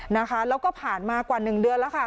นะคะแล้วก็ผ่านมากว่า๑เดือนแล้วค่ะ